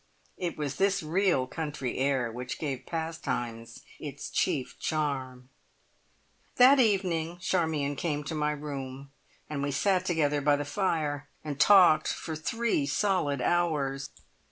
It was this real country air which gave Pastimes its chief charm. That evening Charmion came to my room, and we sat together by the fire and talked for three solid hours.